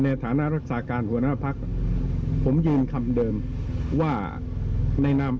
ไม่ได้แจ้งกับหัวหน้ามันตั้งหลังโหดไปว่า